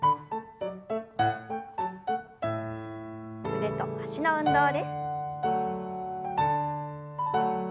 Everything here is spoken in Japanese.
腕と脚の運動です。